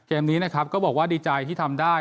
เกมนี้นะครับก็บอกว่าดีใจที่ทำได้